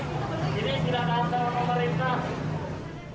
ini silahkan ke pemerintah